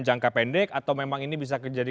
jangka pendek atau memang ini bisa jadi